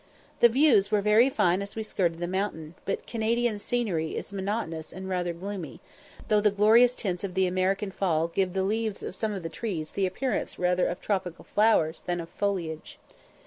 The views were very fine as we skirted the Mountain, but Canadian scenery is monotonous and rather gloomy; though the glorious tints of the American fall give the leaves of some of the trees the appearance rather of tropical flowers than of foliage.